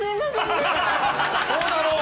そうだろう！